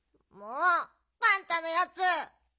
もうパンタのやつ。